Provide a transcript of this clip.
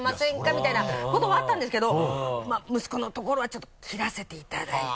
みたいなこともあったんですけどまぁ息子のところはちょっと切らせていただいて。